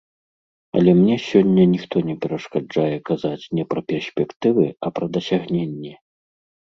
Але мне сёння ніхто не перашкаджае казаць не пра перспектывы, а пра дасягненні.